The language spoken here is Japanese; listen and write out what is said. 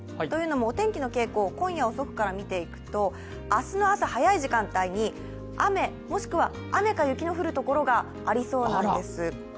というのもお天気の傾向、今夜遅くから見ていくと明日の朝、早い時間帯に雨、もしくは雨か雪が降る所がありそうなんです。